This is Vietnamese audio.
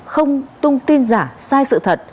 không tung tin giả sai sự thật